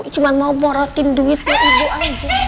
cuma mau morotin duitnya ibu aja